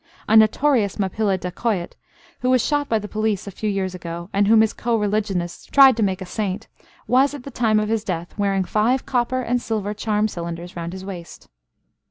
A notorious Mappilla dacoit, who was shot by the police a few years ago, and whom his co religionists tried to make a saint, was at the time of his death wearing five copper and silver charm cylinders round his waist.